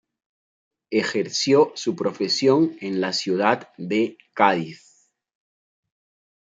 Ejerció su profesión en la ciudad de Cádiz.